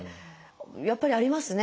やっぱりありますね